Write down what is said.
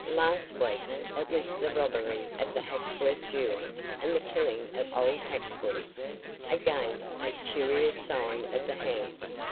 Last week it was the robbery of the Haxworth jewels and the killing of old Haxworth. Again that curious sign of the hand.